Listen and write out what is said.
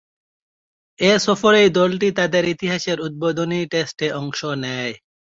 এ সফরেই দলটি তাদের ইতিহাসের উদ্বোধনী টেস্টে অংশ নেয়।